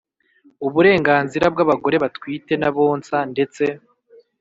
Uburenganzira bw abagore batwite n abonsa ndetse